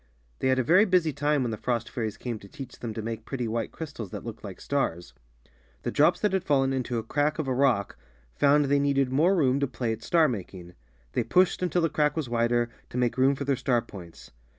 They had a very busy time when the frost fairies came to teach them to make pretty white crystals that looked like stars. The drops that had fallen into a crack of a rock found they needed more room to play at star making. They pushed until the crack was wider, to make room for their jstar points.